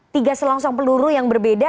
tiga selongsong peluru yang berbeda